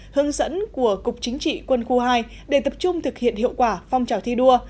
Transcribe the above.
hướng dẫn của cục chính trị quân khu hai để tập trung thực hiện hiệu quả phong trào thi đua